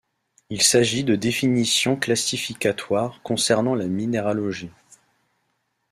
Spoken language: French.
Il s'agit de définitions classificatoires concernant la minéralogie.